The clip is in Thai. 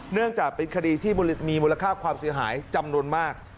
เนื่องจากเป็นคดีที่มีมูลค่าความเสียหายจำนวนมาก